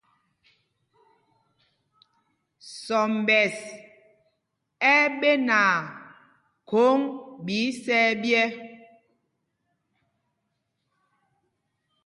Sɔmbɛs ɛ́ ɛ́ ɓenaa khôŋ ɓɛ isɛ̄ɛ̄ ɓyɛ̄.